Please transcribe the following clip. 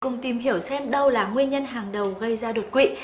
cùng tìm hiểu xem đâu là nguyên nhân hàng đầu gây ra đột quỵ